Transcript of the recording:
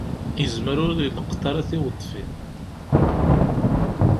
Izem ur ileqqeḍ ara tiweḍfin.